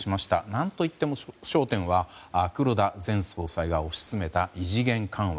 何といっても焦点は黒田前総裁が推し進めた異次元緩和